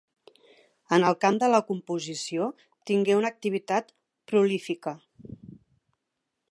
En el camp de la composició tingué una activitat prolífica.